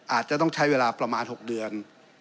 อาจจะต้องใช้เวลาประมาณ๖เดือน